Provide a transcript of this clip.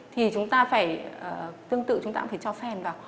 thì chúng ta phải tương tự chúng ta cũng phải cho phèn vào